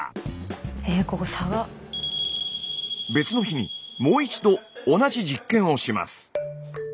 別の日にもう一度同じ実験をします。